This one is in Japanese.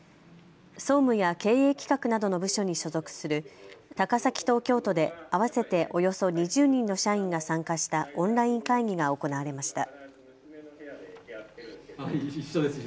総務や経営企画などの部署に所属する高崎と京都で合わせておよそ２０人の社員が参加したオンライン会議が行われました。